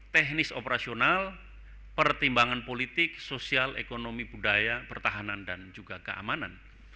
teknis operasional pertimbangan politik sosial ekonomi budaya pertahanan dan juga keamanan